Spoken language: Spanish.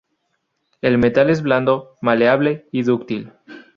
El metal es blando, maleable y dúctil.